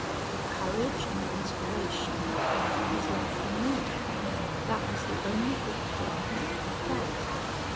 The courage and inspiration had come from his love for me. That was the only good thing he'd ever felt.